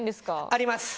あります。